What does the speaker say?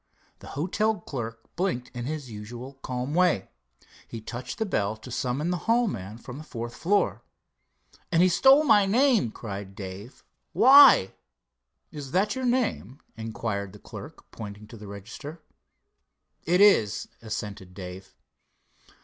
The hotel clerk blinked in his usual calm way, but touched a bell to summon the hall man from the fourth floor. "And he stole my name," cried Dave. "Why?" "Is that your name?" inquired the clerk, pointing to the register. "It is," assented Dave.